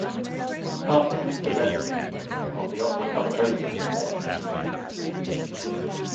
Hart kept the possession of the Opera Cup trophy since then.